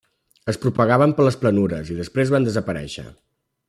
Es propagaven per les planures, i després van desaparèixer.